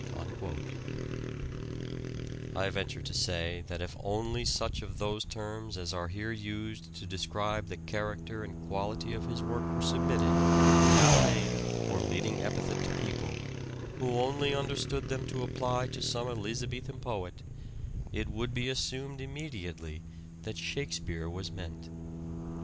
" I venture to say that if only such of those terms as are here used to describe the character and quality of his work were submitted without name or leading epithet to people, who only understood them to apply to some Elizabethan poet, it would be assumed imme diately that Shakespeare was meant.